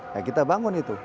ya kita bangun itu